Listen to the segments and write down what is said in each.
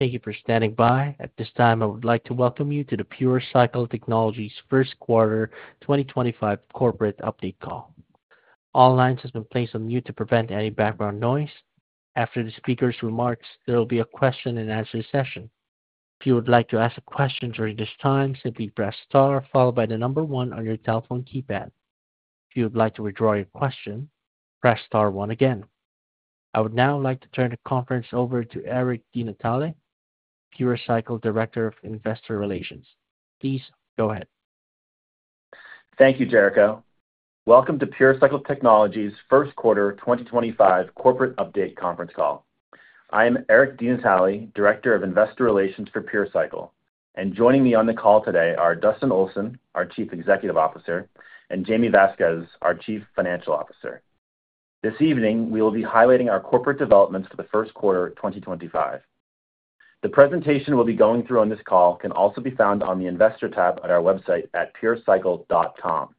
Thank you for standing by. At this time, I would like to welcome you to the PureCycle Technologies' first quarter 2025 corporate update call. All lines have been placed on mute to prevent any background noise. After the speaker's remarks, there will be a question-and-answer session. If you would like to ask a question during this time, simply press star followed by the number one on your telephone keypad. If you would like to withdraw your question, press star one again. I would now like to turn the conference over to Eric DeNatale, PureCycle Director of Investor Relations. Please go ahead. Thank you, Jericho. Welcome to PureCycle Technologies' first quarter 2025 corporate update conference call. I am Eric DeNatale, Director of Investor Relations for PureCycle, and joining me on the call today are Dustin Olson, our Chief Executive Officer, and Jaime Vasquez, our Chief Financial Officer. This evening, we will be highlighting our corporate developments for the 1st quarter 2025. The presentation we'll be going through on this call can also be found on the Investor tab at our website at purecycle.com.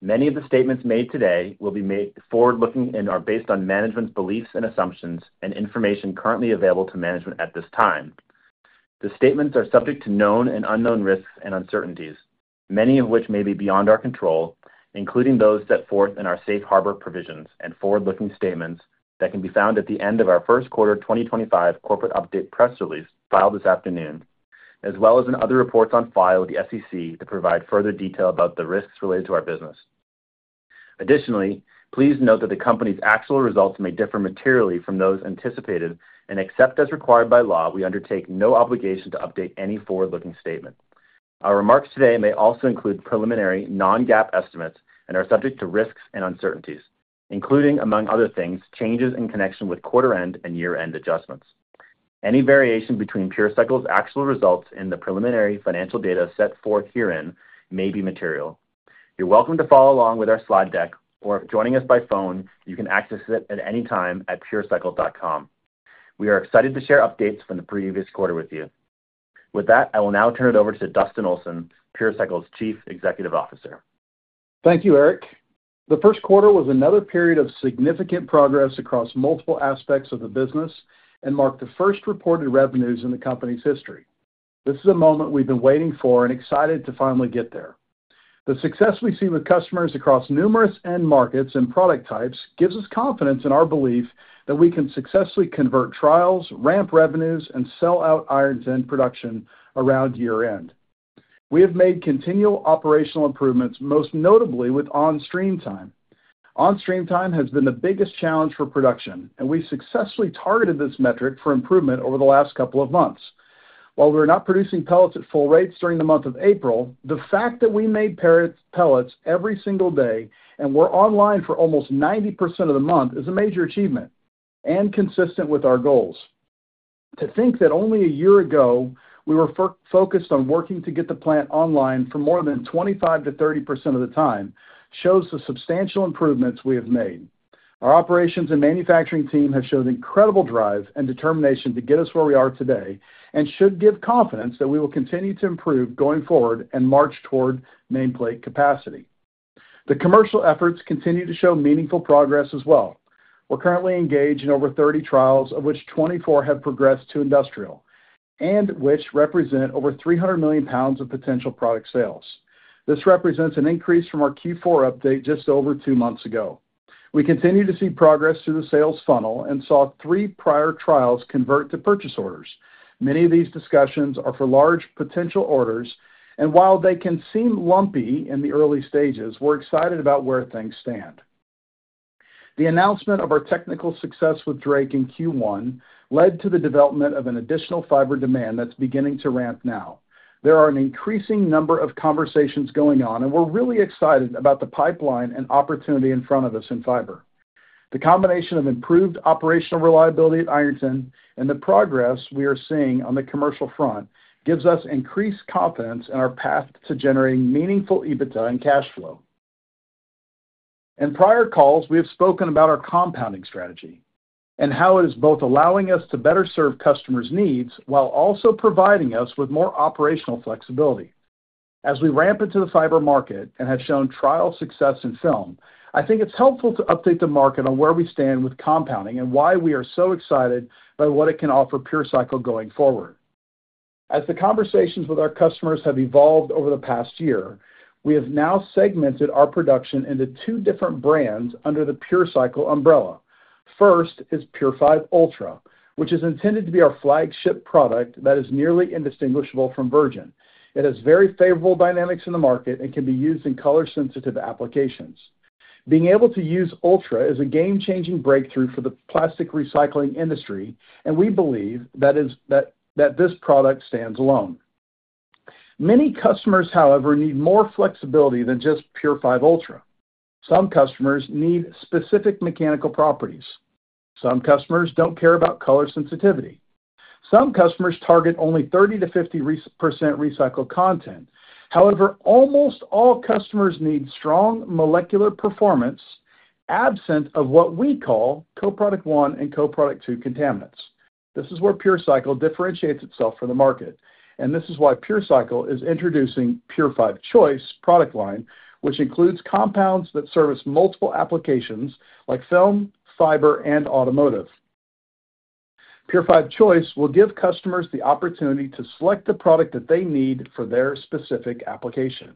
Many of the statements made today will be made forward-looking and are based on management's beliefs and assumptions and information currently available to management at this time. The statements are subject to known and unknown risks and uncertainties, many of which may be beyond our control, including those set forth in our safe harbor provisions and forward-looking statements that can be found at the end of our 1st quarter 2025 corporate update press release filed this afternoon, as well as in other reports on file with the SEC that provide further detail about the risks related to our business. Additionally, please note that the company's actual results may differ materially from those anticipated, and except as required by law, we undertake no obligation to update any forward-looking statement. Our remarks today may also include preliminary non-GAAP estimates and are subject to risks and uncertainties, including, among other things, changes in connection with quarter-end and year-end adjustments. Any variation between PureCycle's actual results and the preliminary financial data set forth herein may be material. You're welcome to follow along with our slide deck, or if joining us by phone, you can access it at any time at purecycle.com. We are excited to share updates from the previous quarter with you. With that, I will now turn it over to Dustin Olson, PureCycle's Chief Executive Officer. Thank you, Eric. The first quarter was another period of significant progress across multiple aspects of the business and marked the first reported revenues in the company's history. This is a moment we've been waiting for and excited to finally get there. The success we see with customers across numerous end markets and product types gives us confidence in our belief that we can successfully convert trials, ramp revenues, and sell out Ironton production around year-end. We have made continual operational improvements, most notably with on-stream time. On-stream time has been the biggest challenge for production, and we successfully targeted this metric for improvement over the last couple of months. While we're not producing pellets at full rates during the month of April, the fact that we made pellets every single day and were online for almost 90% of the month is a major achievement and consistent with our goals. To think that only a year ago we were focused on working to get the plant online for more than 25%-30% of the time shows the substantial improvements we have made. Our operations and manufacturing team have shown incredible drive and determination to get us where we are today and should give confidence that we will continue to improve going forward and march toward nameplate capacity. The commercial efforts continue to show meaningful progress as well. We're currently engaged in over 30 trials, of which 24 have progressed to industrial and which represent over 300 million pounds of potential product sales. This represents an increase from our Q4 update just over two months ago. We continue to see progress through the sales funnel and saw three prior trials convert to purchase orders. Many of these discussions are for large potential orders, and while they can seem lumpy in the early stages, we're excited about where things stand. The announcement of our technical success with Drake in Q1 led to the development of an additional fiber demand that's beginning to ramp now. There are an increasing number of conversations going on, and we're really excited about the pipeline and opportunity in front of us in fiber. The combination of improved operational reliability at Ironton and the progress we are seeing on the commercial front gives us increased confidence in our path to generating meaningful EBITDA and cash flow. In prior calls, we have spoken about our compounding strategy and how it is both allowing us to better serve customers' needs while also providing us with more operational flexibility. As we ramp into the fiber market and have shown trial success in film, I think it's helpful to update the market on where we stand with compounding and why we are so excited by what it can offer PureCycle going forward. As the conversations with our customers have evolved over the past year, we have now segmented our production into two different brands under the PureCycle umbrella. First is Purified Ultra, which is intended to be our flagship product that is nearly indistinguishable from virgin. It has very favorable dynamics in the market and can be used in color-sensitive applications. Being able to use Ultra is a game-changing breakthrough for the plastic recycling industry, and we believe that this product stands alone. Many customers, however, need more flexibility than just Purified Ultra. Some customers need specific mechanical properties. Some customers don't care about color sensitivity. Some customers target only 30%-50% recycled content. However, almost all customers need strong molecular performance absent of what we call CoProduct 1 and CoProduct 2 contaminants. This is where PureCycle differentiates itself from the market, and this is why PureCycle is introducing Purified Choice product line, which includes compounds that service multiple applications like film, fiber, and automotive. Purified Choice will give customers the opportunity to select the product that they need for their specific application.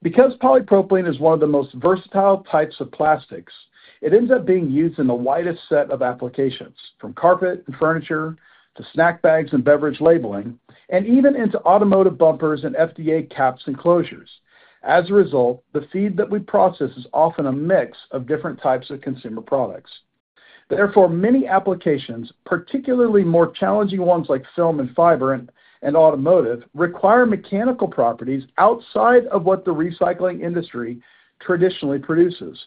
Because polypropylene is one of the most versatile types of plastics, it ends up being used in the widest set of applications, from carpet and furniture to snack bags and beverage labeling, and even into automotive bumpers and FDA caps and closures. As a result, the feed that we process is often a mix of different types of consumer products. Therefore, many applications, particularly more challenging ones like film and fiber and automotive, require mechanical properties outside of what the recycling industry traditionally produces.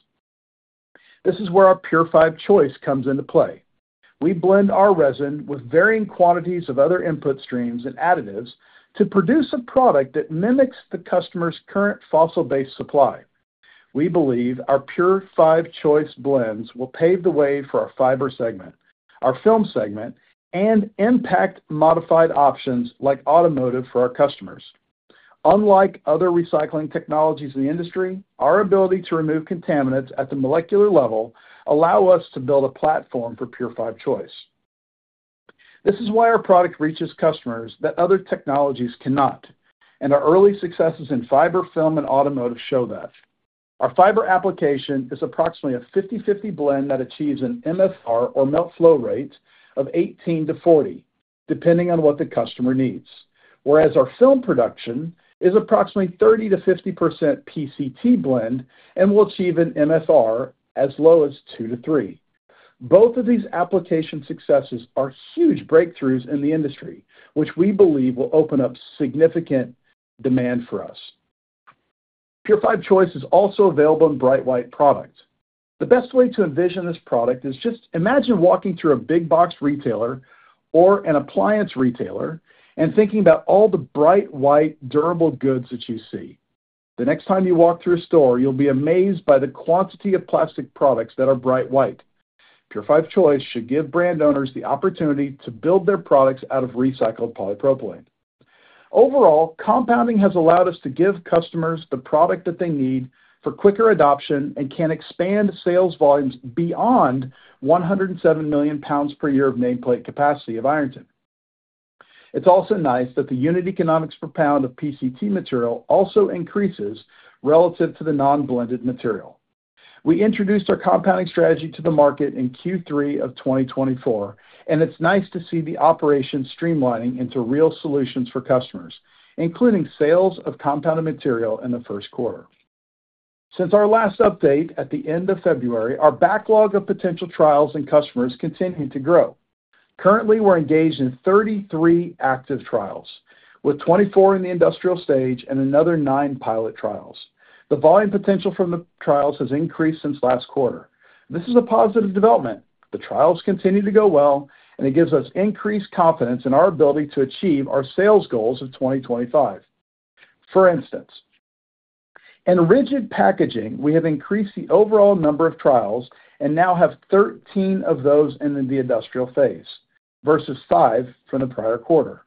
This is where our Purified Choice comes into play. We blend our resin with varying quantities of other input streams and additives to produce a product that mimics the customer's current fossil-based supply. We believe our Purified Choice blends will pave the way for our fiber segment, our film segment, and impact modified options like automotive for our customers. Unlike other recycling technologies in the industry, our ability to remove contaminants at the molecular level allows us to build a platform for Purified Choice. This is why our product reaches customers that other technologies cannot, and our early successes in fiber, film, and automotive show that. Our fiber application is approximately a 50/50 blend that achieves an MFR or melt flow rate of 18-40, depending on what the customer needs, whereas our film production is approximately 30%-50% PCT blend and will achieve an MFR as low as 2-3. Both of these application successes are huge breakthroughs in the industry, which we believe will open up significant demand for us. Purified Choice is also available in bright white product. The best way to envision this product is just imagine walking through a big box retailer or an appliance retailer and thinking about all the bright white durable goods that you see. The next time you walk through a store, you'll be amazed by the quantity of plastic products that are bright white. Purified Choice should give brand owners the opportunity to build their products out of recycled polypropylene. Overall, compounding has allowed us to give customers the product that they need for quicker adoption and can expand sales volumes beyond 107 million lbs per year of nameplate capacity of Ironton. It's also nice that the unit economics per pound of PCT material also increases relative to the non-blended material. We introduced our compounding strategy to the market in Q3 of 2024, and it's nice to see the operation streamlining into real solutions for customers, including sales of compounded material in the 1st quarter. Since our last update at the end of February, our backlog of potential trials and customers continued to grow. Currently, we're engaged in 33 active trials, with 24 in the industrial stage and another 9 pilot trials. The volume potential from the trials has increased since last quarter. This is a positive development. The trials continue to go well, and it gives us increased confidence in our ability to achieve our sales goals of 2025. For instance, in rigid packaging, we have increased the overall number of trials and now have 13 of those in the industrial phase versus 5 from the prior quarter.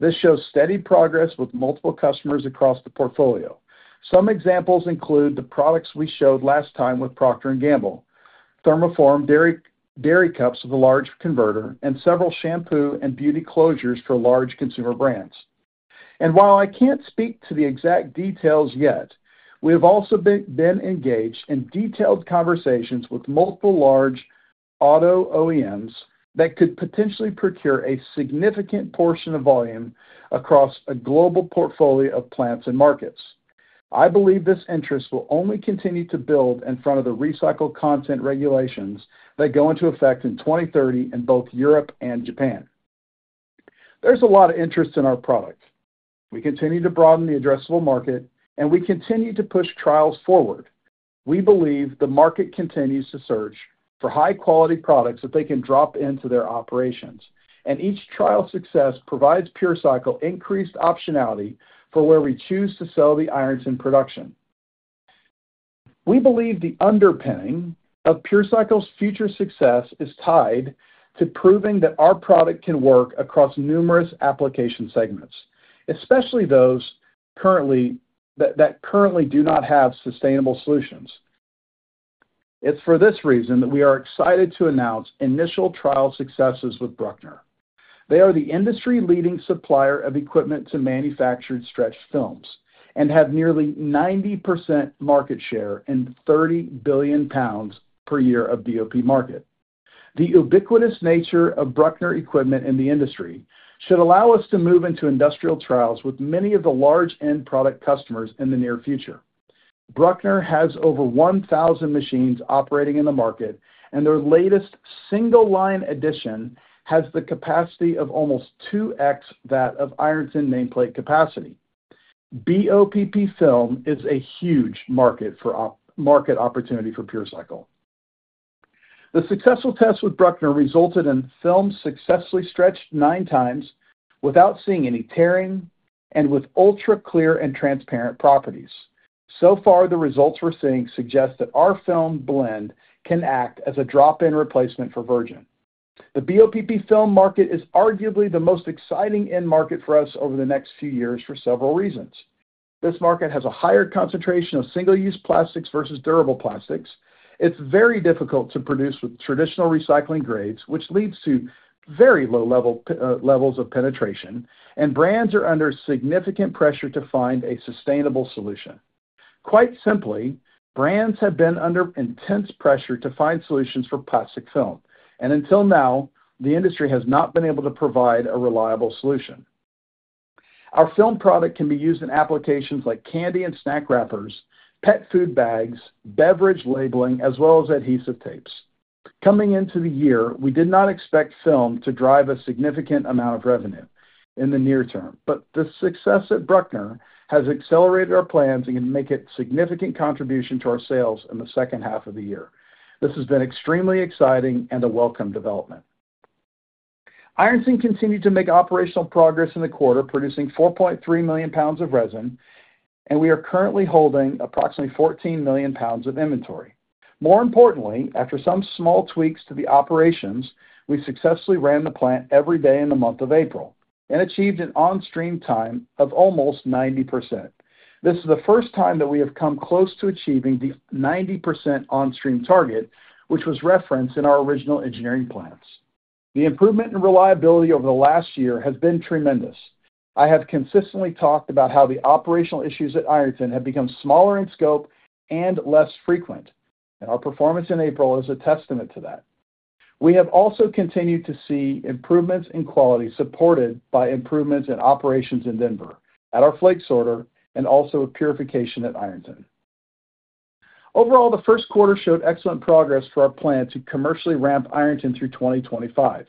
This shows steady progress with multiple customers across the portfolio. Some examples include the products we showed last time with Procter & Gamble, ThermoForm dairy cups with a large converter, and several shampoo and beauty closures for large consumer brands. While I can't speak to the exact details yet, we have also been engaged in detailed conversations with multiple large auto OEMs that could potentially procure a significant portion of volume across a global portfolio of plants and markets. I believe this interest will only continue to build in front of the recycled content regulations that go into effect in 2030 in both Europe and Japan. There's a lot of interest in our product. We continue to broaden the addressable market, and we continue to push trials forward. We believe the market continues to search for high-quality products that they can drop into their operations, and each trial success provides PureCycle increased optionality for where we choose to sell the Ironton production. We believe the underpinning of PureCycle's future success is tied to proving that our product can work across numerous application segments, especially those that currently do not have sustainable solutions. It's for this reason that we are excited to announce initial trial successes with Brückner. They are the industry-leading supplier of equipment to manufacture stretch films and have nearly 90% market share in 30 billion lbs per year of BOPP market. The ubiquitous nature of Brückner equipment in the industry should allow us to move into industrial trials with many of the large end product customers in the near future. Brückner has over 1,000 machines operating in the market, and their latest single-line addition has the capacity of almost 2x that of Ironton nameplate capacity. BOPP film is a huge market opportunity for PureCycle. The successful test with Brückner resulted in film successfully stretched 9 times without seeing any tearing and with ultra-clear and transparent properties. So far, the results we're seeing suggest that our film blend can act as a drop-in replacement for virgin. The BOPP film market is arguably the most exciting end market for us over the next few years for several reasons. This market has a higher concentration of single-use plastics versus durable plastics. It is very difficult to produce with traditional recycling grades, which leads to very low levels of penetration, and brands are under significant pressure to find a sustainable solution. Quite simply, brands have been under intense pressure to find solutions for plastic film, and until now, the industry has not been able to provide a reliable solution. Our film product can be used in applications like candy and snack wrappers, pet food bags, beverage labeling, as well as adhesive tapes. Coming into the year, we did not expect film to drive a significant amount of revenue in the near term, but the success at Brückner has accelerated our plans and can make a significant contribution to our sales in the second half of the year. This has been extremely exciting and a welcome development. Ironton continued to make operational progress in the quarter, producing 4.3 million lbs of resin, and we are currently holding approximately 14 million lbs of inventory. More importantly, after some small tweaks to the operations, we successfully ran the plant every day in the month of April and achieved an on-stream time of almost 90%. This is the 1st time that we have come close to achieving the 90% on-stream target, which was referenced in our original engineering plans. The improvement in reliability over the last year has been tremendous. I have consistently talked about how the operational issues at Ironton have become smaller in scope and less frequent, and our performance in April is a testament to that. We have also continued to see improvements in quality supported by improvements in operations in Denver at our flakes sorter and also with purification at Ironton. Overall, the first quarter showed excellent progress for our plan to commercially ramp Ironton through 2025.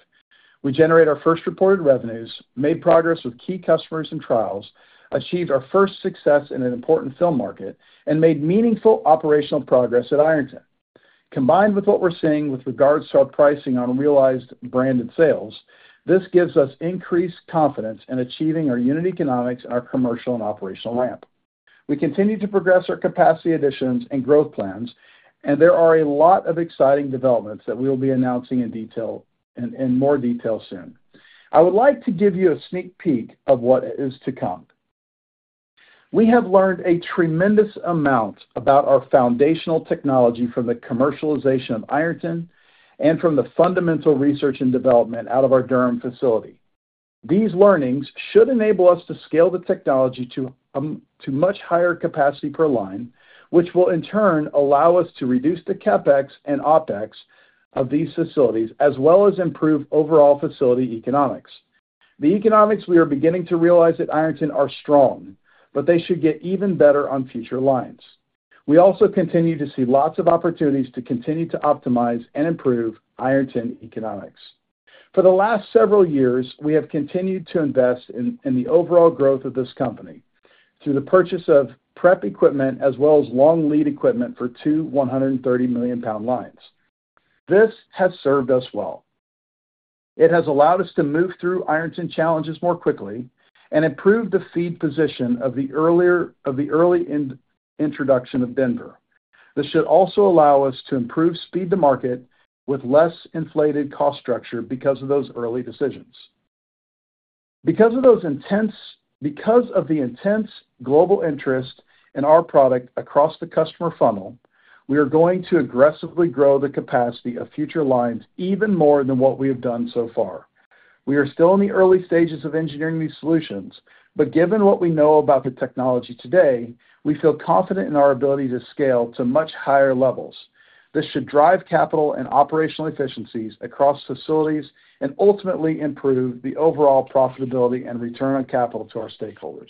We generated our first reported revenues, made progress with key customers and trials, achieved our first success in an important film market, and made meaningful operational progress at Ironton. Combined with what we're seeing with regards to our pricing on realized branded sales, this gives us increased confidence in achieving our unit economics and our commercial and operational ramp. We continue to progress our capacity additions and growth plans, and there are a lot of exciting developments that we will be announcing in detail and more detail soon. I would like to give you a sneak peek of what is to come. We have learned a tremendous amount about our foundational technology from the commercialization of Ironton and from the fundamental research and development out of our Durham facility. These learnings should enable us to scale the technology to much higher capacity per line, which will in turn allow us to reduce the CapEx and OpEx of these facilities, as well as improve overall facility economics. The economics we are beginning to realize at Ironton are strong, but they should get even better on future lines. We also continue to see lots of opportunities to continue to optimize and improve Ironton economics. For the last several years, we have continued to invest in the overall growth of this company through the purchase of prep equipment as well as long lead equipment for two 130 million lbs lines. This has served us well. It has allowed us to move through Ironton challenges more quickly and improve the feed position of the early introduction of Denver. This should also allow us to improve speed to market with less inflated cost structure because of those early decisions. Because of the intense global interest in our product across the customer funnel, we are going to aggressively grow the capacity of future lines even more than what we have done so far. We are still in the early stages of engineering these solutions, but given what we know about the technology today, we feel confident in our ability to scale to much higher levels. This should drive capital and operational efficiencies across facilities and ultimately improve the overall profitability and return on capital to our stakeholders.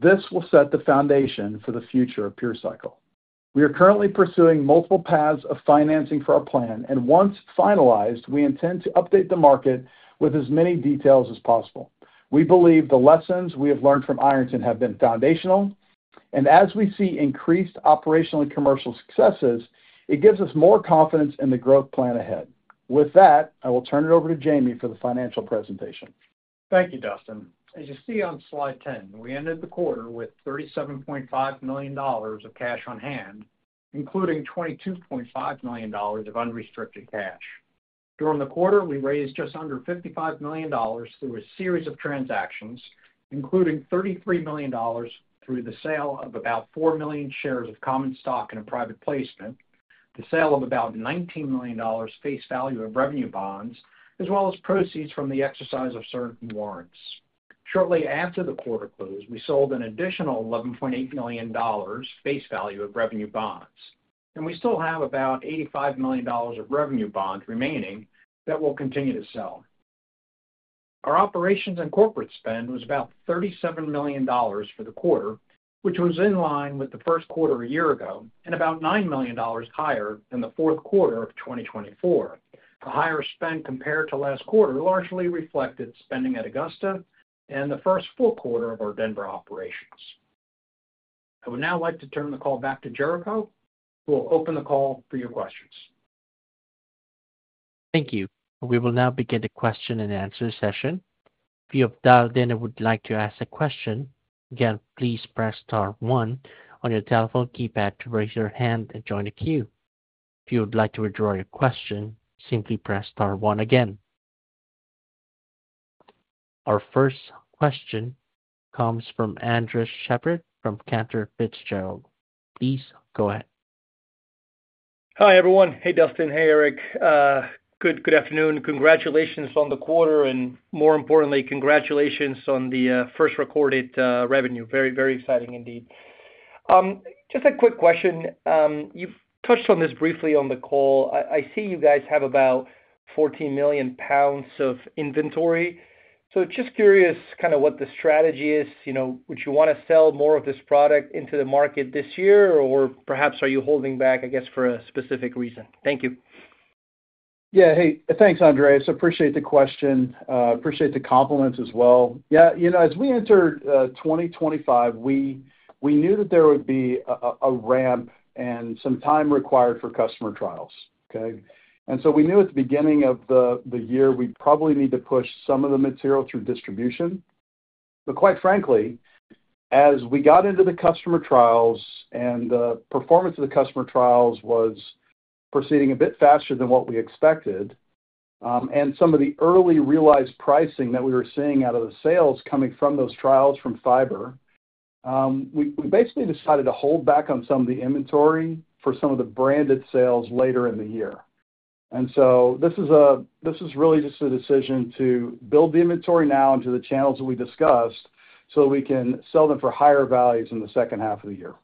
This will set the foundation for the future of PureCycle. We are currently pursuing multiple paths of financing for our plan, and once finalized, we intend to update the market with as many details as possible. We believe the lessons we have learned from Ironton have been foundational, and as we see increased operational and commercial successes, it gives us more confidence in the growth plan ahead. With that, I will turn it over to Jaime for the financial presentation. Thank you, Dustin. As you see on slide 10, we ended the quarter with $37.5 million of cash on hand, including $22.5 million of unrestricted cash. During the quarter, we raised just under $55 million through a series of transactions, including $33 million through the sale of about 4 million shares of common stock in a private placement, the sale of about $19 million face value of revenue bonds, as well as proceeds from the exercise of certain warrants. Shortly after the quarter closed, we sold an additional $11.8 million face value of revenue bonds, and we still have about $85 million of revenue bonds remaining that we'll continue to sell. Our operations and corporate spend was about $37 million for the quarter, which was in line with the first quarter a year ago and about $9 million higher than the fourth quarter of 2024. The higher spend compared to last quarter largely reflected spending at Augusta and the first full quarter of our Denver operations. I would now like to turn the call back to Jericho, who will open the call for your questions. Thank you. We will now begin the question-and-answer session. If you have dialed in and would like to ask a question, again, please press star one on your telephone keypad to raise your hand and join the queue. If you would like to withdraw your question, simply press star one again. Our first question comes from Andres Sheppard from Cantor Fitzgerald. Please go ahead. Hi everyone. Hey Dustin. Hey Eric. Good afternoon. Congratulations on the quarter and, more importantly, congratulations on the 1st recorded revenue. Very, very exciting indeed. Just a quick question. You've touched on this briefly on the call. I see you guys have about 14 million lbs of inventory. So just curious kind of what the strategy is. Would you want to sell more of this product into the market this year, or perhaps are you holding back, I guess, for a specific reason? Thank you. Yeah. Hey, thanks, Andres. Appreciate the question. Appreciate the compliments as well. Yeah. As we entered 2025, we knew that there would be a ramp and some time required for customer trials. We knew at the beginning of the year we would probably need to push some of the material through distribution. Quite frankly, as we got into the customer trials and the performance of the customer trials was proceeding a bit faster than what we expected, and some of the early realized pricing that we were seeing out of the sales coming from those trials from fiber, we basically decided to hold back on some of the inventory for some of the branded sales later in the year. This is really just a decision to build the inventory now into the channels that we discussed so that we can sell them for higher values in the second half of the year.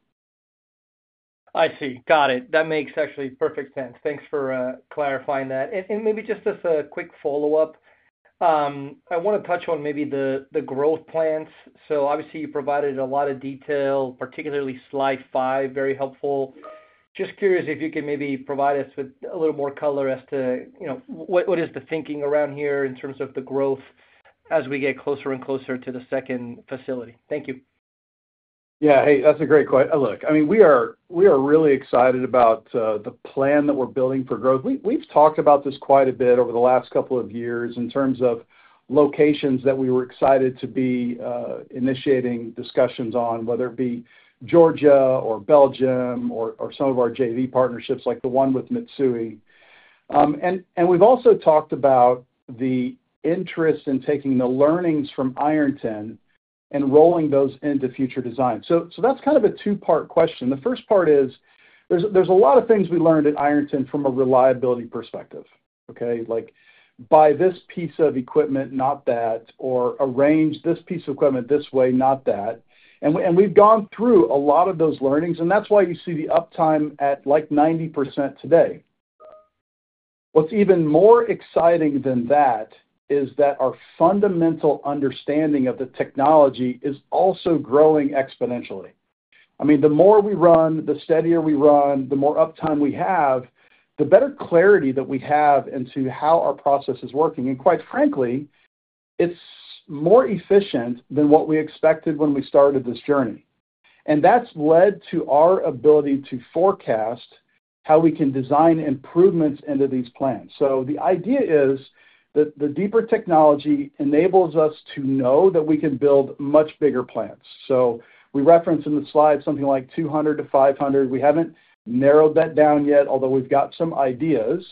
I see. Got it. That makes actually perfect sense. Thanks for clarifying that. Maybe just as a quick follow-up, I want to touch on maybe the growth plans. Obviously, you provided a lot of detail, particularly slide five. Very helpful. Just curious if you could maybe provide us with a little more color as to what is the thinking around here in terms of the growth as we get closer and closer to the second facility. Thank you. Yeah. Hey, that's a great question. Look, I mean, we are really excited about the plan that we're building for growth. We've talked about this quite a bit over the last couple of years in terms of locations that we were excited to be initiating discussions on, whether it be Georgia or Belgium or some of our JV partnerships like the one with Mitsui. We've also talked about the interest in taking the learnings from Ironton and rolling those into future design. That is kind of a two-part question. The first part is there's a lot of things we learned at Ironton from a reliability perspective. Buy this piece of equipment, not that, or arrange this piece of equipment this way, not that. We've gone through a lot of those learnings, and that's why you see the uptime at like 90% today. What's even more exciting than that is that our fundamental understanding of the technology is also growing exponentially. I mean, the more we run, the steadier we run, the more uptime we have, the better clarity that we have into how our process is working. And quite frankly, it's more efficient than what we expected when we started this journey. That's led to our ability to forecast how we can design improvements into these plans. The idea is that the deeper technology enables us to know that we can build much bigger plants. We referenced in the slide something like 200-500. We haven't narrowed that down yet, although we've got some ideas.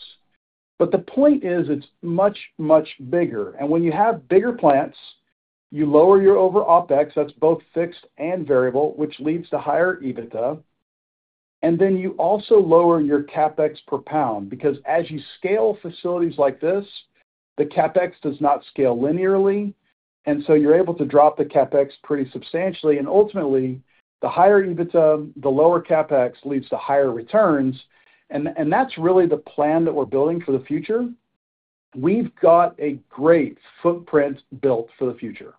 The point is it's much, much bigger. When you have bigger plants, you lower your overall OpEx. That's both fixed and variable, which leads to higher EBITDA. You also lower your CapEx per pound because as you scale facilities like this, the CapEx does not scale linearly. You are able to drop the CapEx pretty substantially. Ultimately, the higher EBITDA, the lower CapEx leads to higher returns. That is really the plan that we are building for the future. We have got a great footprint built for the future.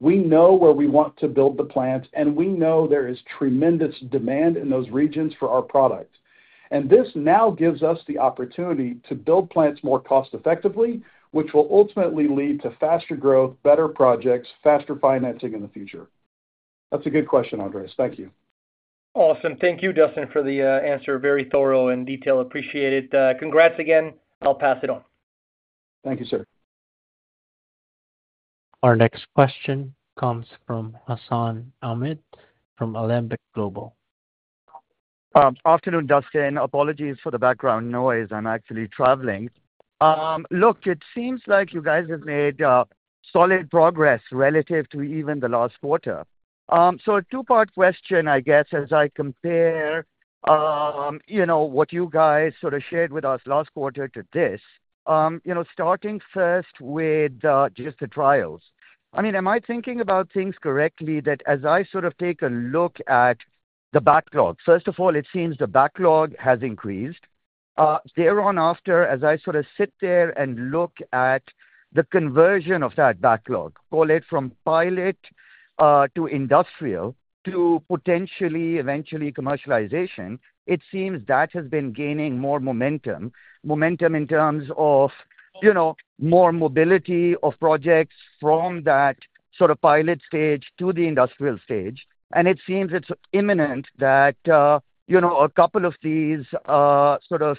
We know where we want to build the plants, and we know there is tremendous demand in those regions for our product. This now gives us the opportunity to build plants more cost-effectively, which will ultimately lead to faster growth, better projects, faster financing in the future. That is a good question, Andres. Thank you. Awesome. Thank you, Dustin, for the answer. Very thorough and detailed. Appreciate it. Congrats again. I will pass it on. Thank you, sir. Our next question comes from Hassan Ahmed from Alembic Global. Afternoon, Dustin. Apologies for the background noise. I am actually traveling. Look, it seems like you guys have made solid progress relative to even the last quarter. A two-part question, I guess, as I compare what you guys sort of shared with us last quarter to this, starting first with just the trials. I mean, am I thinking about things correctly that as I sort of take a look at the backlog? First of all, it seems the backlog has increased. Thereon after, as I sort of sit there and look at the conversion of that backlog, call it from pilot to industrial to potentially eventually commercialization, it seems that has been gaining more momentum, momentum in terms of more mobility of projects from that sort of pilot stage to the industrial stage. It seems it's imminent that a couple of these sort of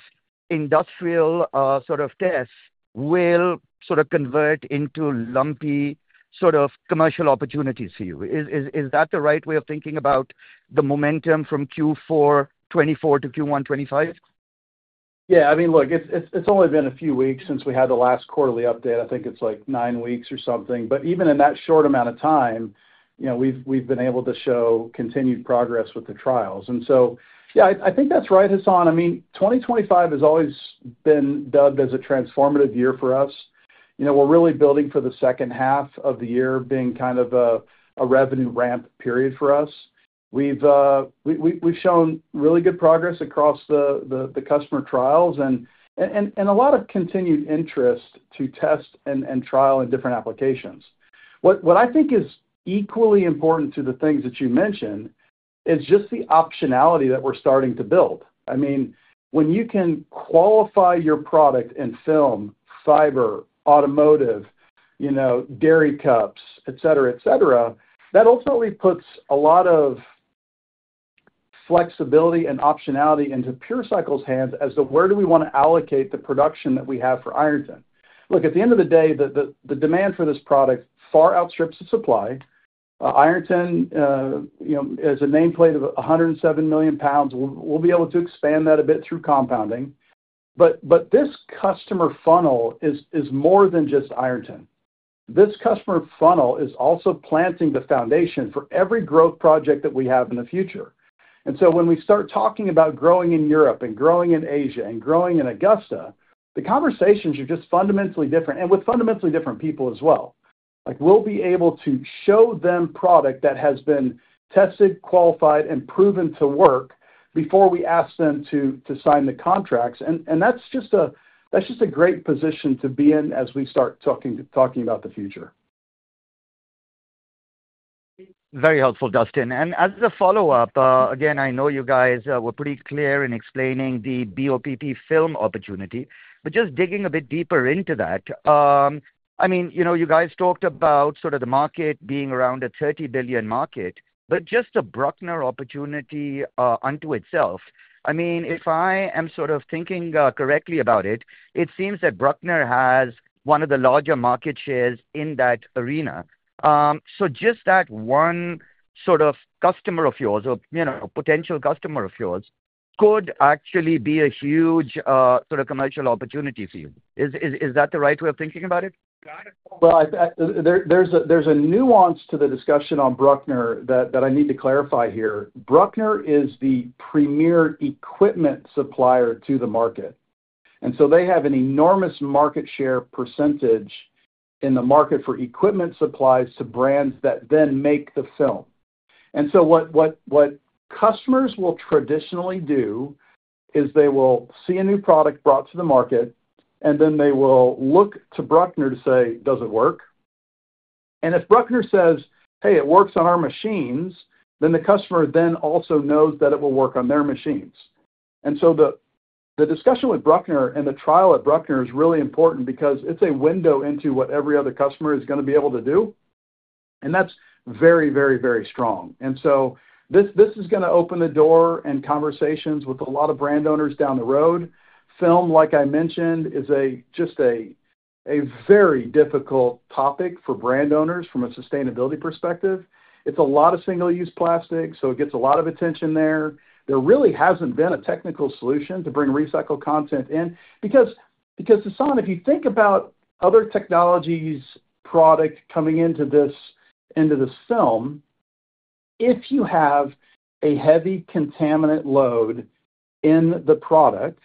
industrial sort of tests will sort of convert into lumpy sort of commercial opportunities for you. Is that the right way of thinking about the momentum from Q4 2024 to Q1 2025? Yeah. I mean, look, it's only been a few weeks since we had the last quarterly update. I think it's like nine weeks or something. Even in that short amount of time, we've been able to show continued progress with the trials. Yeah, I think that's right, Hasan. I mean, 2025 has always been dubbed as a transformative year for us. We're really building for the second half of the year being kind of a revenue ramp period for us. We've shown really good progress across the customer trials and a lot of continued interest to test and trial in different applications. What I think is equally important to the things that you mentioned is just the optionality that we're starting to build. I mean, when you can qualify your product in film, fiber, automotive, dairy cups, etc., etc., that ultimately puts a lot of flexibility and optionality into PureCycle's hands as to where do we want to allocate the production that we have for Ironton. Look, at the end of the day, the demand for this product far outstrips the supply. Ironton is a nameplate of 107 million pounds. We'll be able to expand that a bit through compounding. But this customer funnel is more than just Ironton. This customer funnel is also planting the foundation for every growth project that we have in the future. When we start talking about growing in Europe and growing in Asia and growing in Augusta, the conversations are just fundamentally different and with fundamentally different people as well. We'll be able to show them product that has been tested, qualified, and proven to work before we ask them to sign the contracts. That's just a great position to be in as we start talking about the future. Very helpful, Dustin. As a follow-up, again, I know you guys were pretty clear in explaining the BOPP film opportunity. Just digging a bit deeper into that, I mean, you guys talked about sort of the market being around a $30 billion market, but just the Brückner opportunity unto itself. I mean, if I am sort of thinking correctly about it, it seems that Brückner has one of the larger market shares in that arena. Just that one sort of customer of yours or potential customer of yours could actually be a huge sort of commercial opportunity for you. Is that the right way of thinking about it? There is a nuance to the discussion on Brückner that I need to clarify here. Brückner is the premier equipment supplier to the market. They have an enormous market share percentage in the market for equipment supplies to brands that then make the film. What customers will traditionally do is they will see a new product brought to the market, and then they will look to Brückner to say, "Does it work?" If Brückner says, "Hey, it works on our machines," then the customer then also knows that it will work on their machines. The discussion with Brückner and the trial at Brückner is really important because it is a window into what every other customer is going to be able to do. That is very, very, very strong. This is going to open the door and conversations with a lot of brand owners down the road. Film, like I mentioned, is just a very difficult topic for brand owners from a sustainability perspective. It is a lot of single-use plastic, so it gets a lot of attention there. There really has not been a technical solution to bring recycled content in. Because, Hasan, if you think about other technologies' product coming into this film, if you have a heavy contaminant load in the product,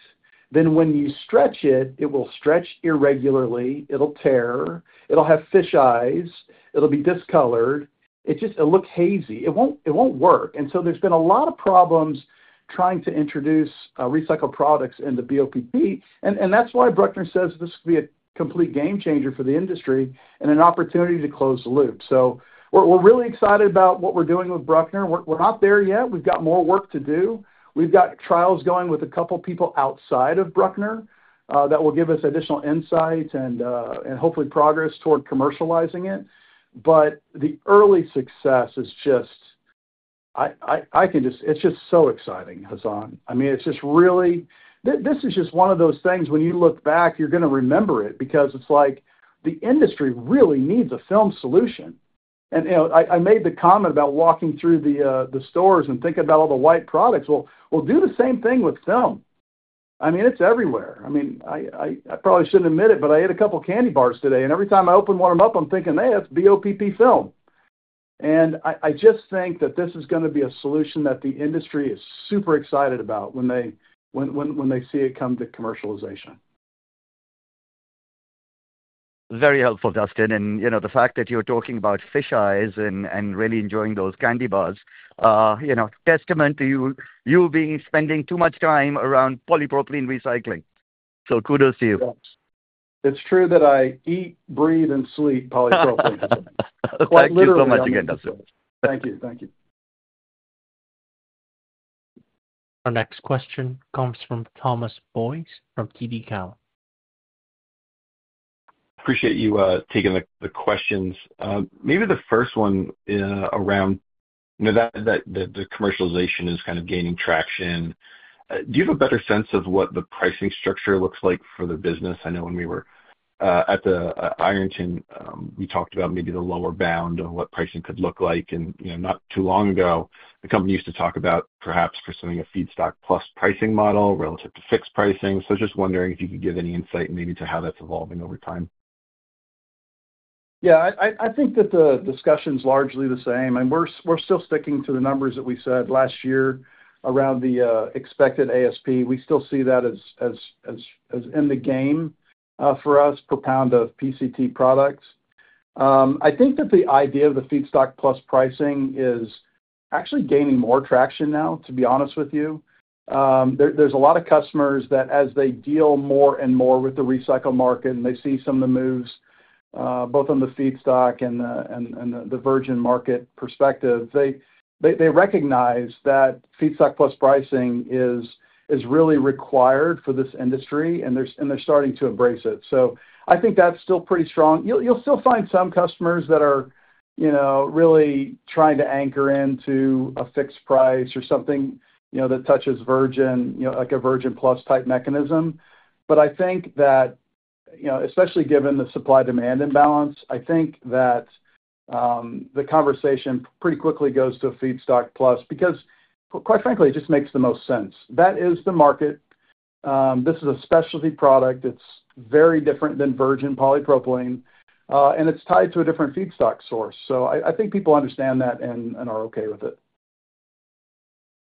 then when you stretch it, it will stretch irregularly. It will tear. It will have fisheyes. It will be discolored. It will look hazy. It will not work. There have been a lot of problems trying to introduce recycled products in the BOPP. That is why Brückner says this could be a complete game changer for the industry and an opportunity to close the loop. We are really excited about what we are doing with Brückner. We are not there yet. We have more work to do. We have trials going with a couple of people outside of Brückner that will give us additional insights and hopefully progress toward commercializing it. The early success is just so exciting, Hasan. I mean, this is just one of those things when you look back, you are going to remember it because it is like the industry really needs a film solution. I made the comment about walking through the stores and thinking about all the white products. Do the same thing with film. I mean, it's everywhere. I mean, I probably shouldn't admit it, but I ate a couple of candy bars today. And every time I open one of them up, I'm thinking, "That's BOPP film." I just think that this is going to be a solution that the industry is super excited about when they see it come to commercialization. Very helpful, Dustin. The fact that you're talking about fisheyes and really enjoying those candy bars is a testament to you spending too much time around polypropylene recycling. Kudos to you. It's true that I eat, breathe, and sleep polypropylene. Thank you so much again, Dustin. Thank you. Thank you. Our next question comes from Thomas Boyes from TD Cowen. Appreciate you taking the questions. Maybe the first one around the commercialization is kind of gaining traction. Do you have a better sense of what the pricing structure looks like for the business? I know when we were at Ironton, we talked about maybe the lower bound of what pricing could look like. Not too long ago, the company used to talk about perhaps pursuing a feedstock plus pricing model relative to fixed pricing. Just wondering if you could give any insight maybe to how that's evolving over time. Yeah. I think that the discussion is largely the same. We're still sticking to the numbers that we said last year around the expected ASP. We still see that as in the game for us per pound of PCT products. I think that the idea of the feedstock plus pricing is actually gaining more traction now, to be honest with you. There's a lot of customers that as they deal more and more with the recycled market and they see some of the moves both on the feedstock and the virgin market perspective, they recognize that feedstock plus pricing is really required for this industry, and they're starting to embrace it. I think that's still pretty strong. You'll still find some customers that are really trying to anchor into a fixed price or something that touches virgin, like a virgin plus type mechanism. I think that, especially given the supply-demand imbalance, the conversation pretty quickly goes to a feedstock plus because, quite frankly, it just makes the most sense. That is the market. This is a specialty product. It's very different than virgin polypropylene. It's tied to a different feedstock source. I think people understand that and are okay with it.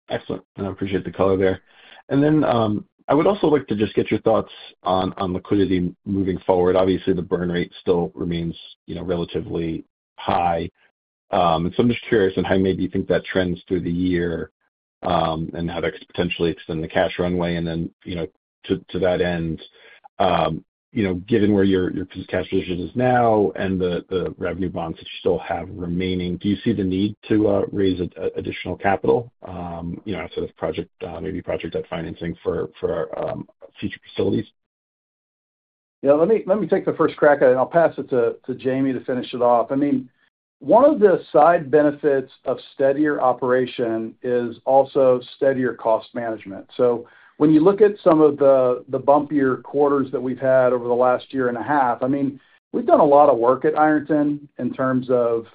Excellent. I appreciate the color there. I would also like to just get your thoughts on liquidity moving forward. Obviously, the burn rate still remains relatively high. I am just curious on how maybe you think that trends through the year and how that could potentially extend the cash runway. To that end, given where your cash position is now and the revenue bonds that you still have remaining, do you see the need to raise additional capital for this project, maybe project-type financing for future facilities? Yeah. Let me take the first crack at it, and I'll pass it to Jaime to finish it off. I mean, one of the side benefits of steadier operation is also steadier cost management. When you look at some of the bumpier quarters that we've had over the last year and a half, I mean, we've done a lot of work at Ironton in terms of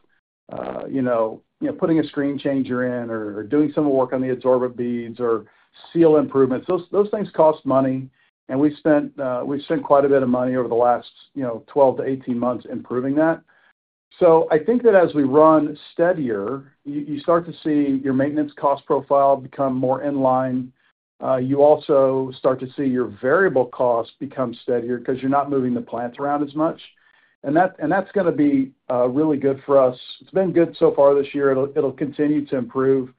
putting a screen changer in or doing some of the work on the absorbent beads or seal improvements. Those things cost money. We've spent quite a bit of money over the last 12-18 months improving that. I think that as we run steadier, you start to see your maintenance cost profile become more in line. You also start to see your variable cost become steadier because you're not moving the plants around as much. That's going to be really good for us. It's been good so far this year. It'll continue to improve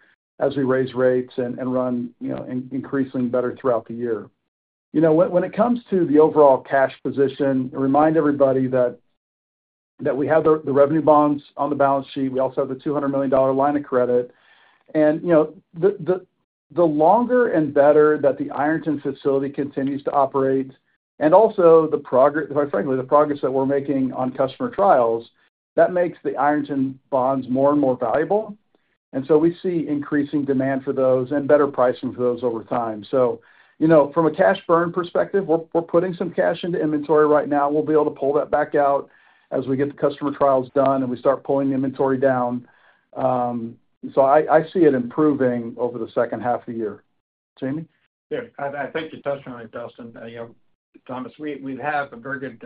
as we raise rates and run increasingly better throughout the year. When it comes to the overall cash position, remind everybody that we have the revenue bonds on the balance sheet. We also have the $200 million line of credit. The longer and better that the Ironton facility continues to operate and also, quite frankly, the progress that we are making on customer trials, that makes the Ironton bonds more and more valuable. We see increasing demand for those and better pricing for those over time. From a cash burn perspective, we are putting some cash into inventory right now. We will be able to pull that back out as we get the customer trials done and we start pulling inventory down. I see it improving over the second half of the year. Jamie? Yeah. I think you touched on it, Dustin. Thomas, we have a very good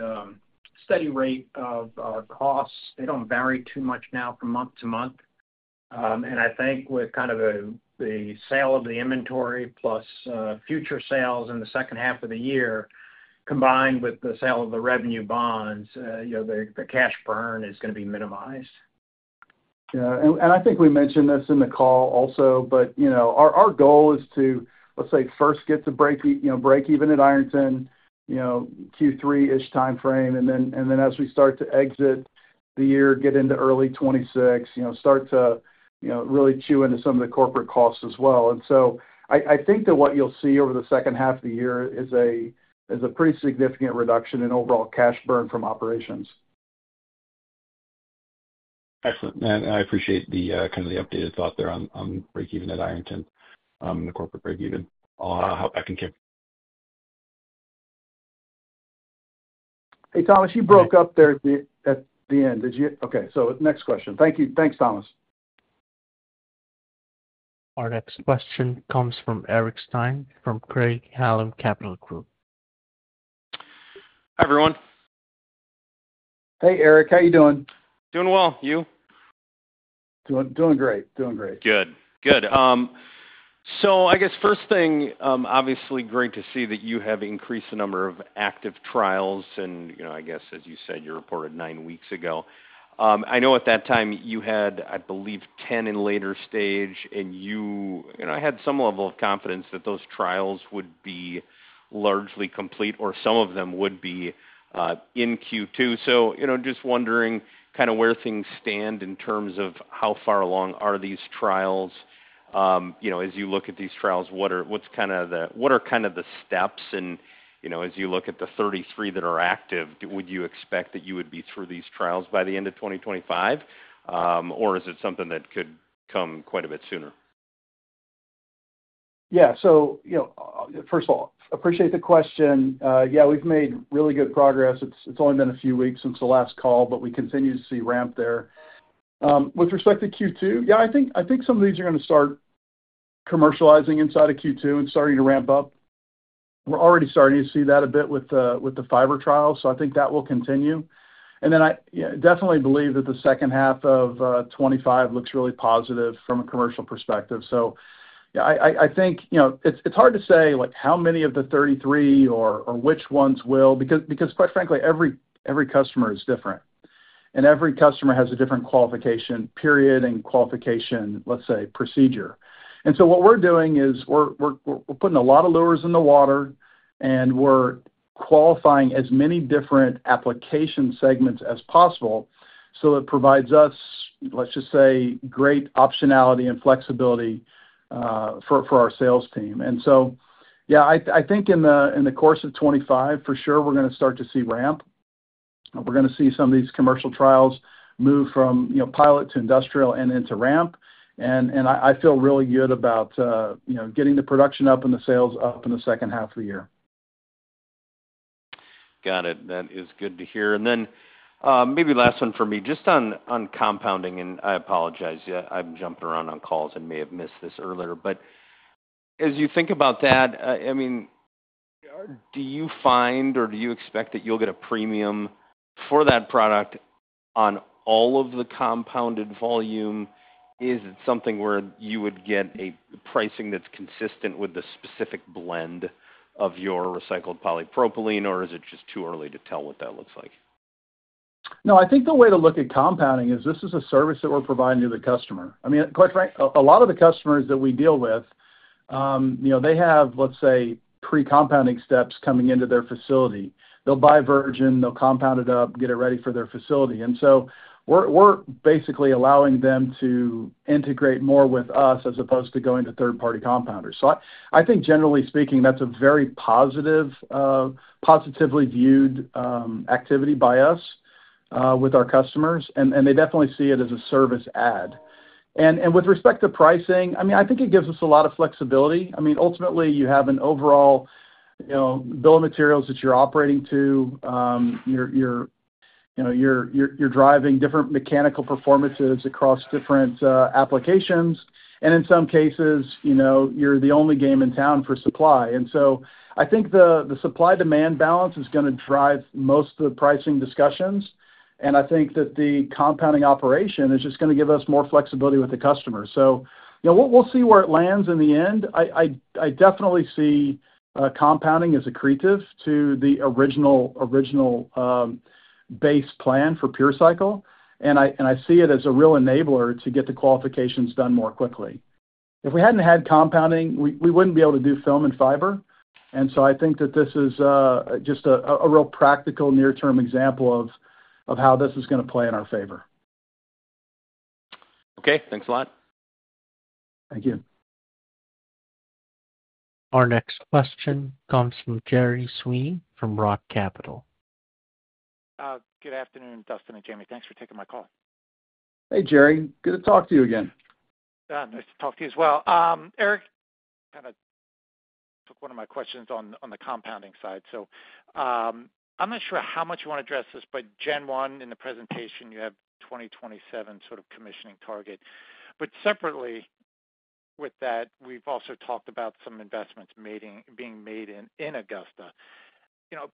steady rate of costs. They do not vary too much now from month-to-month. I think with kind of the sale of the inventory plus future sales in the second half of the year combined with the sale of the revenue bonds, the cash burn is going to be minimized. Yeah. I think we mentioned this in the call also, but our goal is to, let's say, first get to break even at Ironton, Q3-ish timeframe. Then as we start to exit the year, get into early 2026, start to really chew into some of the corporate costs as well. I think that what you will see over the second half of the year is a pretty significant reduction in overall cash burn from operations. Excellent. I appreciate kind of the updated thought there on break even at Ironton, the corporate break even. I will help back and Kim. Hey, Thomas, you broke up there at the end. Did you? Okay. Next question. Thank you. Thanks, Thomas. Our next question comes from Eric Stine from Craig-Hallum Capital Group. Hi, everyone. Hey, Eric. How are you doing? Doing well. You? Doing great. Doing great. Good. Good. I guess first thing, obviously, great to see that you have increased the number of active trials. I guess, as you said, you reported nine weeks ago. I know at that time you had, I believe, 10 in later stage, and you had some level of confidence that those trials would be largely complete or some of them would be in Q2. Just wondering kind of where things stand in terms of how far along are these trials. As you look at these trials, what are kind of the steps? As you look at the 33 that are active, would you expect that you would be through these trials by the end of 2025? Or is it something that could come quite a bit sooner? Yeah. First of all, appreciate the question. Yeah, we've made really good progress. It's only been a few weeks since the last call, but we continue to see ramp there. With respect to Q2, yeah, I think some of these are going to start commercializing inside of Q2 and starting to ramp up. We're already starting to see that a bit with the fiber trials. I think that will continue. I definitely believe that the 2nd half of 2025 looks really positive from a commercial perspective. Yeah, I think it's hard to say how many of the 33 or which ones will because, quite frankly, every customer is different. Every customer has a different qualification period and qualification, let's say, procedure. What we are doing is we are putting a lot of lures in the water, and we are qualifying as many different application segments as possible so it provides us, let's just say, great optionality and flexibility for our sales team. I think in the course of 2025, for sure, we are going to start to see ramp. We are going to see some of these commercial trials move from pilot to industrial and into ramp. I feel really good about getting the production up and the sales up in the 2nd half of the year. Got it. That is good to hear. Maybe last one for me, just on compounding. I apologize. I have jumped around on calls and may have missed this earlier. As you think about that, I mean, do you find or do you expect that you'll get a premium for that product on all of the compounded volume? Is it something where you would get a pricing that's consistent with the specific blend of your recycled polypropylene, or is it just too early to tell what that looks like? No, I think the way to look at compounding is this is a service that we're providing to the customer. I mean, quite frankly, a lot of the customers that we deal with, they have, let's say, pre-compounding steps coming into their facility. They'll buy virgin. They'll compound it up, get it ready for their facility. We are basically allowing them to integrate more with us as opposed to going to third-party compounders. I think, generally speaking, that's a very positively viewed activity by us with our customers. They definitely see it as a service add. With respect to pricing, I mean, I think it gives us a lot of flexibility. I mean, ultimately, you have an overall bill of materials that you're operating to. You're driving different mechanical performances across different applications. In some cases, you're the only game in town for supply. I think the supply-demand balance is going to drive most of the pricing discussions. I think that the compounding operation is just going to give us more flexibility with the customer. We'll see where it lands in the end. I definitely see compounding as accretive to the original base plan for PureCycle. I see it as a real enabler to get the qualifications done more quickly. If we hadn't had compounding, we wouldn't be able to do film and fiber. I think that this is just a real practical near-term example of how this is going to play in our favor. Okay. Thanks a lot. Thank you. Our next question comes from Gerry Sweeney from Roth Capital. Good afternoon, Dustin and Jaime. Thanks for taking my call. Hey, Jerry. Good to talk to you again. Nice to talk to you as well. Eric kind of took one of my questions on the compounding side. So I'm not sure how much you want to address this, but Gen 1 in the presentation, you have 2027 sort of commissioning target. But separately with that, we've also talked about some investments being made in Augusta.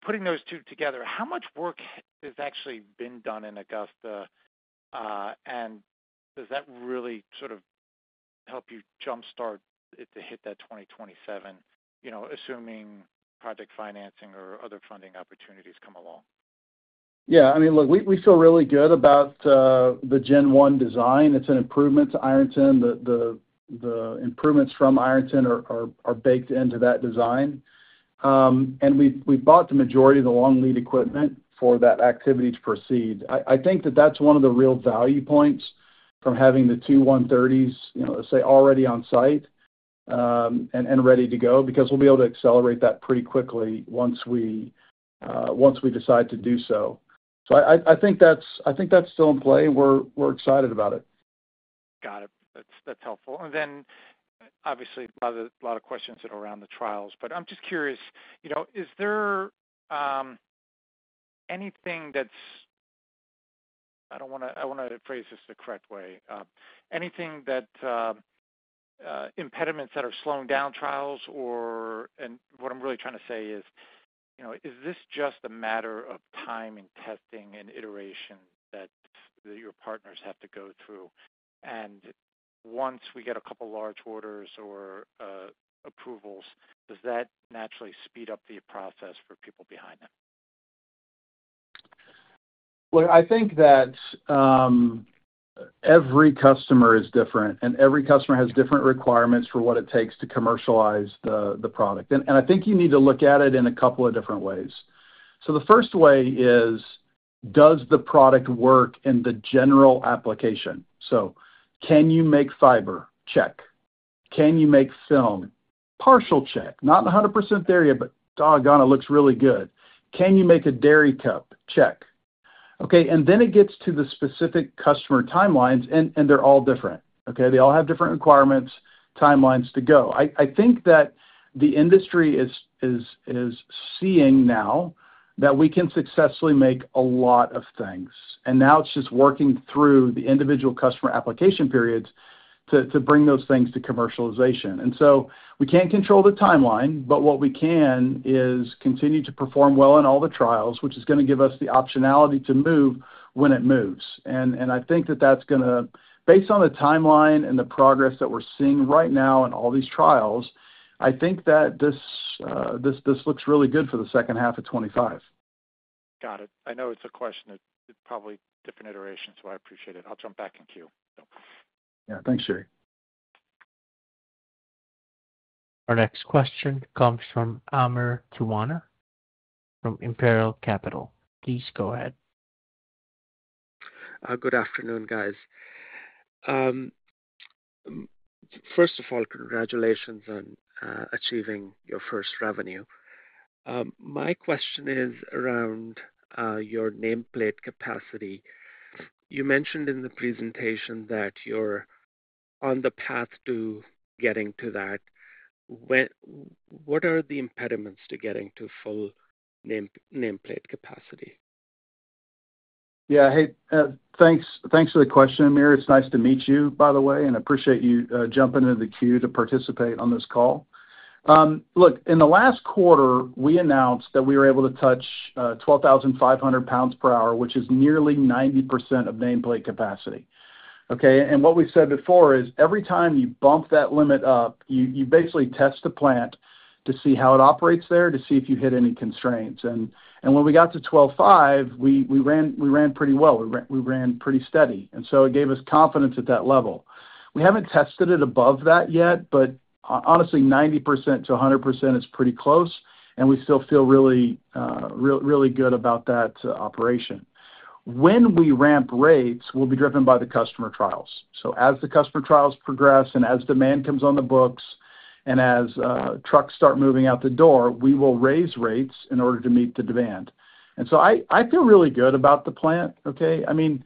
Putting those two together, how much work has actually been done in Augusta? And does that really sort of help you jump-start it to hit that 2027, assuming project financing or other funding opportunities come along? Yeah. I mean, look, we feel really good about the Gen One design. It is an improvement to Ironton. The improvements from Ironton are baked into that design. We bought the majority of the long lead equipment for that activity to proceed. I think that is one of the real value points from having the two 130s, let's say, already on site and ready to go because we will be able to accelerate that pretty quickly once we decide to do so. I think that is still in play. We are excited about it. Got it. That is helpful. Obviously, a lot of questions around the trials. I am just curious, is there anything that is—I do not want to phrase this the wrong way—anything that impediments that are slowing down trials? What I'm really trying to say is, is this just a matter of time and testing and iteration that your partners have to go through? Once we get a couple of large orders or approvals, does that naturally speed up the process for people behind them? Look, I think that every customer is different, and every customer has different requirements for what it takes to commercialize the product. I think you need to look at it in a couple of different ways. The first way is, does the product work in the general application? Can you make fiber? Check. Can you make film? Partial check. Not 100% there yet, but doggone it looks really good. Can you make a dairy cup? Check. It gets to the specific customer timelines, and they're all different. They all have different requirements, timelines to go. I think that the industry is seeing now that we can successfully make a lot of things. Now it is just working through the individual customer application periods to bring those things to commercialization. We cannot control the timeline, but what we can is continue to perform well in all the trials, which is going to give us the optionality to move when it moves. I think that is going to, based on the timeline and the progress that we are seeing right now in all these trials, I think that this looks really good for the 2nd half of 2025. Got it. I know it is a question that is probably different iterations, so I appreciate it. I will jump back and queue. Yeah. Thanks, Jerry. Our next question comes from Amer Tiwana from Imperial Capital. Please go ahead. Good afternoon, guys. First of all, congratulations on achieving your first revenue. My question is around your nameplate capacity. You mentioned in the presentation that you're on the path to getting to that. What are the impediments to getting to full nameplate capacity? Yeah. Hey, thanks for the question, Amir. It's nice to meet you, by the way, and appreciate you jumping into the queue to participate on this call. Look, in the last quarter, we announced that we were able to touch 12,500 lbs per hour, which is nearly 90% of nameplate capacity. Okay? What we've said before is every time you bump that limit up, you basically test the plant to see how it operates there, to see if you hit any constraints. When we got to 12,500, we ran pretty well. We ran pretty steady. It gave us confidence at that level. We have not tested it above that yet, but honestly, 90%-100% is pretty close. I still feel really good about that operation. When we ramp rates, we will be driven by the customer trials. As the customer trials progress and as demand comes on the books and as trucks start moving out the door, we will raise rates in order to meet the demand. I feel really good about the plant. Okay? I mean,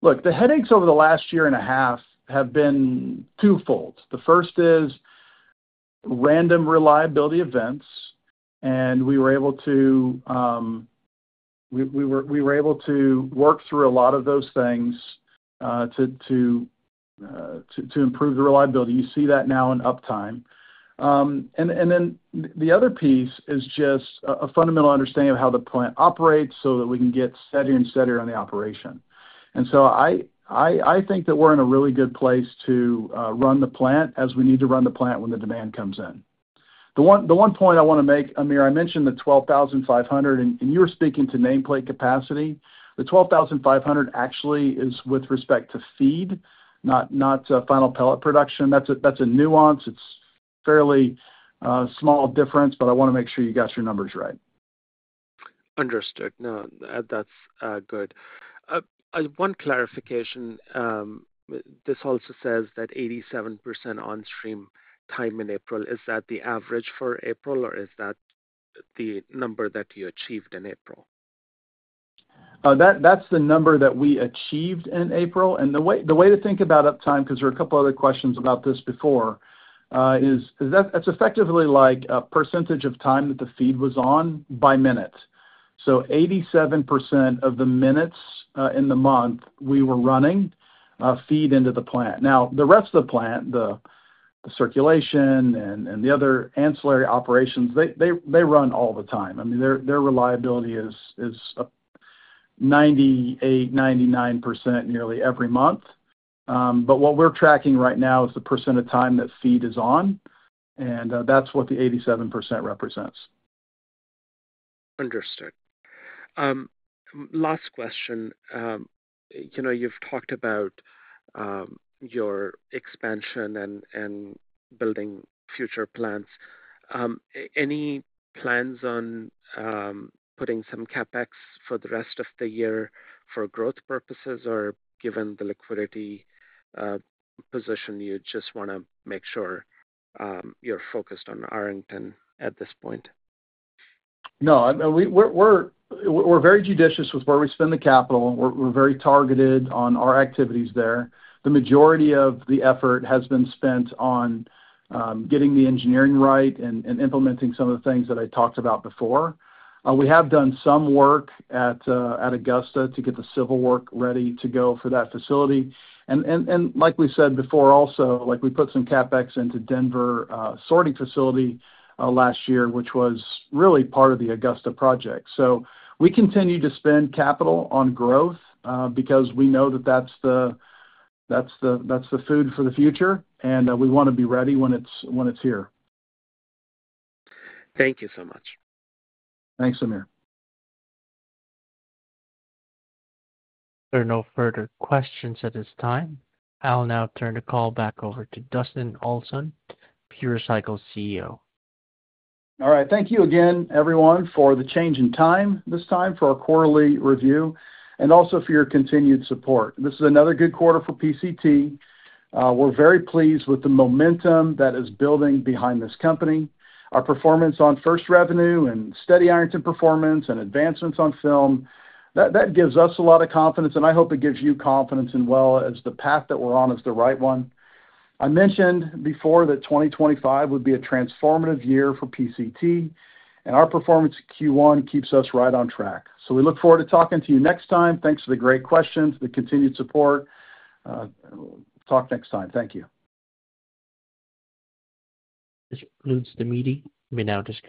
look, the headaches over the last year and a half have been twofold. The first is random reliability events. We were able to work through a lot of those things to improve the reliability. You see that now in uptime. The other piece is just a fundamental understanding of how the plant operates so that we can get steadier and steadier on the operation. I think that we're in a really good place to run the plant as we need to run the plant when the demand comes in. The one point I want to make, Amir, I mentioned the 12,500, and you were speaking to nameplate capacity. The 12,500 actually is with respect to feed, not final pellet production. That's a nuance. It's a fairly small difference, but I want to make sure you got your numbers right. Understood. No, that's good. One clarification. This also says that 87% on-stream time in April. Is that the average for April, or is that the number that you achieved in April? That's the number that we achieved in April. The way to think about uptime, because there are a couple of other questions about this before, is that's effectively like a percentage of time that the feed was on by minute. 87% of the minutes in the month we were running feed into the plant. The rest of the plant, the circulation and the other ancillary operations, they run all the time. I mean, their reliability is 98%-99% nearly every month. What we are tracking right now is the percent of time that feed is on. That is what the 87% represents. Understood. Last question. You have talked about your expansion and building future plants. Any plans on putting some CapEx for the rest of the year for growth purposes or given the liquidity position you just want to make sure you are focused on Ironton at this point? No. We are very judicious with where we spend the capital. We are very targeted on our activities there. The majority of the effort has been spent on getting the engineering right and implementing some of the things that I talked about before. We have done some work at Augusta to get the civil work ready to go for that facility. Like we said before also, we put some CapEx into Denver sorting facility last year, which was really part of the Augusta project. We continue to spend capital on growth because we know that that's the food for the future. We want to be ready when it's here. Thank you so much. Thanks, Amir. There are no further questions at this time. I'll now turn the call back over to Dustin Olson, PureCycle CEO. All right. Thank you again, everyone, for the change in time this time for our quarterly review and also for your continued support. This is another good quarter for PCT. We're very pleased with the momentum that is building behind this company. Our performance on first revenue and steady Ironton performance and advancements on film, that gives us a lot of confidence. I hope it gives you confidence as well as the path that we're on is the right one. I mentioned before that 2025 would be a transformative year for PCT. Our performance Q1 keeps us right on track. We look forward to talking to you next time. Thanks for the great questions, the continued support. Talk next time. Thank you. Mr. Sweeney, we now just.